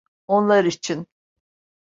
Onlar için.